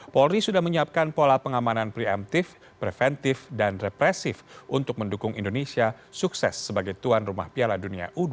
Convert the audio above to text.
polri sudah menyiapkan pola pengamanan preemptif preventif dan represif untuk mendukung indonesia sukses sebagai tuan rumah piala dunia u dua puluh